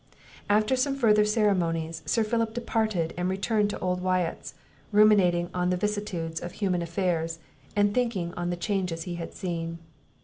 After some further ceremonies, Sir Philip departed, and returned to old Wyatt's, ruminating on the vicissitude of human affairs, and thinking on the changes he had seen.